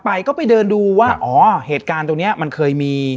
ไปก็ไปเดินดูว่าอ๋อเหตุการณ์ตรงนี้มันเคยมี